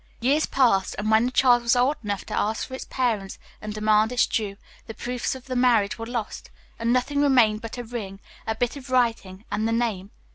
Years passed, and when the child was old enough to ask for its parents and demand its due, the proofs of the marriage were lost, and nothing remained but a ring, a bit of writing, and the name.